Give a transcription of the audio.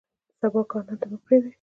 د سبا کار نن ته مه پرېږدئ.